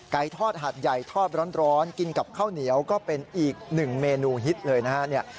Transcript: ทอดหัดใหญ่ทอดร้อนกินกับข้าวเหนียวก็เป็นอีกหนึ่งเมนูฮิตเลยนะฮะ